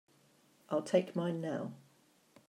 I'll take mine now.